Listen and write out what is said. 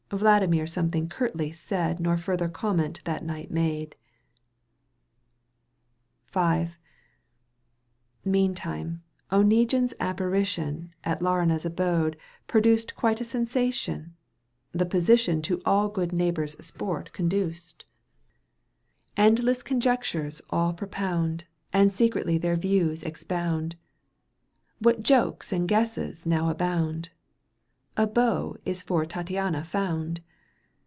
— Vladimir something curtly said Nor further comment that night made. Meantime Oneguine's apparition At lArina's abode produced Quite a sensation ; the position To all good neighbours' sport conduced. Digitized by VjOOQ 1С 68 EUGENE ONfenriNE. canto hi. Endless conjectures аП propound And secretly their views expound. What jokes and guesses now abound, A beau is for Tattiana found